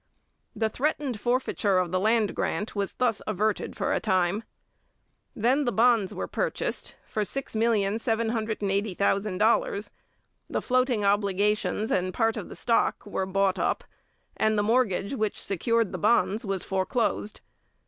The threatened forfeiture of the land grant was thus averted for a time. Then the bonds were purchased for $6,780,000, the floating obligations and part of the stock were bought up, and the mortgage which secured the bonds was foreclosed.